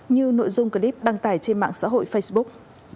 như nội dung clip đăng tải trên mạng xã hội facebook